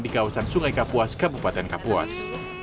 di kawasan sungai kapuas kabupaten kapuas